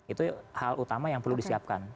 itu hal utama yang perlu disiapkan